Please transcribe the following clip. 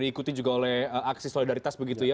diikuti juga oleh aksi solidaritas begitu ya